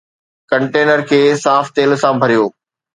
Container کي صاف تيل سان ڀريو.